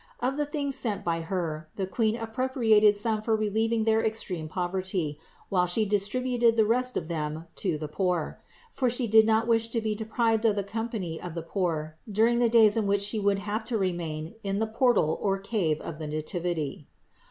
Of the things sent by her, the Queen appropriated some for relieving their extreme poverty, while She distributed the rest of them to the poor; for She did not wish to be deprived of the com pany of the poor during the days in which She would have to remain in the portal or cave of the Nativity.